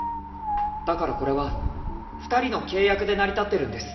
だからこれは２人の契約で成り立ってるんです。